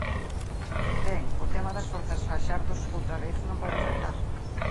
Ben, o tema das Forzas Faxardos outra vez, non pode faltar.